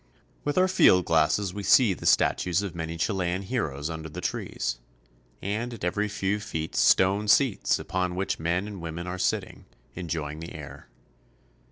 With our field glasses we see the statues of many Chil ean heroes under the trees, and at every few feet stone seats upon which men and women are sitting, enjoying the air.